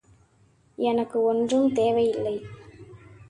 எனக்கு ஒன்றும் தேவையில்லை.